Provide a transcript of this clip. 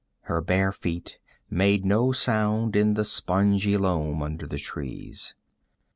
Her bare feet made no sound in the spongy loam under the trees.